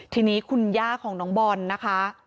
ทีนี้คุณย่าของน้องบอลนะคะ